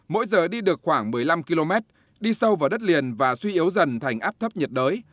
mỗi giờ đi được khoảng một mươi năm km đi sâu vào đất liền và suy yếu dần thành áp thấp nhiệt đới